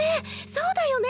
そうだよね。